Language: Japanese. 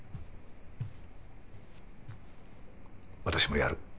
私もやる。